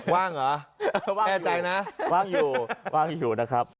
ว่างเหรอแน่ใจนะว่างอยู่ว่างอยู่นะครับ